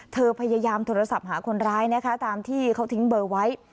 พยายามโทรศัพท์หาคนร้ายนะคะตามที่เขาทิ้งเบอร์ไว้